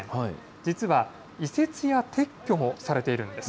実は、移設や撤去もされているんです。